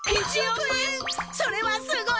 それはすごい！